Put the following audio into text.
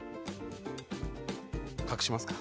隠しますか。